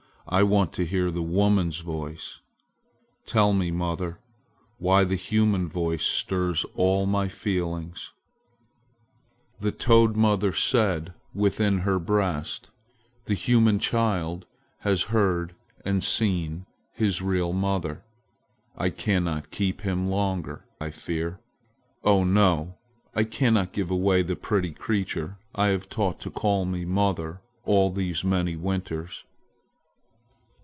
"I want to hear the woman's voice! Tell me, mother, why the human voice stirs all my feelings!" The toad mother said within her breast, "The human child has heard and seen his real mother. I cannot keep him longer, I fear. Oh, no, I cannot give away the pretty creature I have taught to call me 'mother' all these many winters."